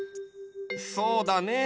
そうだね。